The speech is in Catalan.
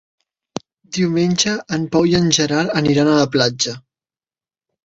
Diumenge en Pau i en Gerard aniran a la platja.